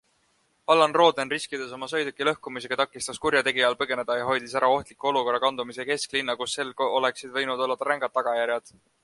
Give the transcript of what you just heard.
Allan Rooden, riskides oma sõiduki lõhkumisega, takistas kurjategijal põgeneda ja hoidis ära ohtliku olukorra kandumise kesklinna, kus sel oleksid võinud olla rängad tagajärjed.